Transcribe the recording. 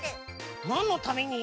なんのために？